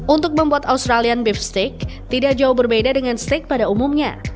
untuk membuat australian beef steak tidak jauh berbeda dengan steak pada umumnya